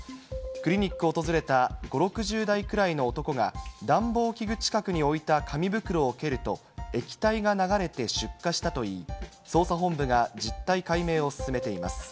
クリニックを訪れた５、６０代くらいの男が暖房器具近くに置いた紙袋を蹴ると、液体が流れて出火したといい、捜査本部が実態解明を進めています。